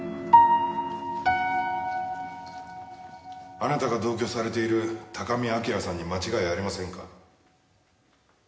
あなたが同居されている高見明さんに間違いありませんか？